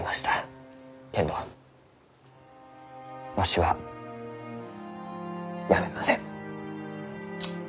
けんどわしは辞めません。